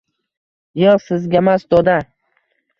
yo’q sizgamas doda